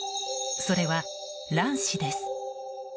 それは、卵子です。